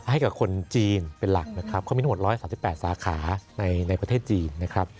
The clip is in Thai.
ให้กับคนจีนเป็นหลักนะครับเขามีทั้งหมด๑๓๘สาขาในประเทศจีนนะครับ